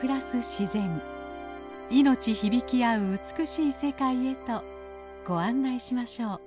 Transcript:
命響きあう美しい世界へとご案内しましょう。